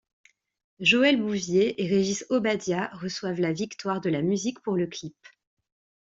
Joëlle Bouvier et Régis Obadia reçoivent la victoire de la musique pour le clip.